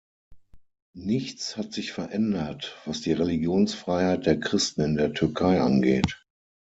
Nichts hat sich verändert, was die Religionsfreiheit der Christen in der Türkei angeht.